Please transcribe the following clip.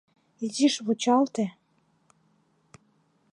Изиш вучалте.